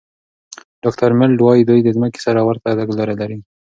ډاکټر میلرډ وايي، دوی د ځمکې سره ورته تګلوري لري.